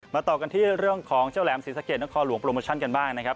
ต่อกันที่เรื่องของเจ้าแหลมศรีสะเกดนครหลวงโปรโมชั่นกันบ้างนะครับ